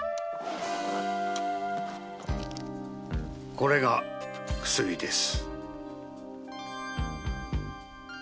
これが薬です。